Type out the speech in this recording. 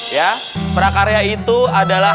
ya prakarya itu adalah